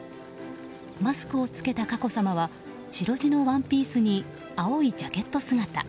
マスクを着けた佳子さまは白地のワンピースに青いジャケット姿。